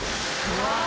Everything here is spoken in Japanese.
うわ！